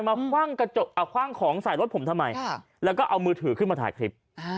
คว่างของใส่รถผมทำไมแล้วก็เอามือถือขึ้นมาถ่ายคลิป